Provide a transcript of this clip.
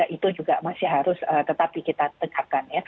itu juga masih harus tetap kita tegakkan ya